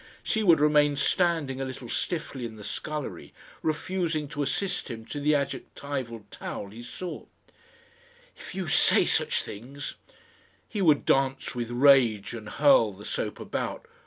She would remain standing a little stiffly in the scullery refusing to assist him to the adjectival towel he sought. "If you say such things " He would dance with rage and hurl the soap about.